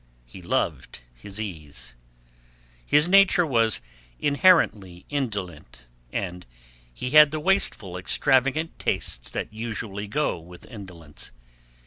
He loved his ease. His nature was inherently indolent, and he had the wasteful extravagant tastes that usually go with indolence.